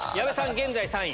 現在３位。